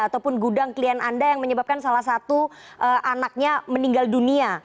ataupun gudang klien anda yang menyebabkan salah satu anaknya meninggal dunia